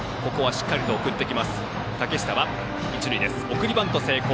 送りバント成功。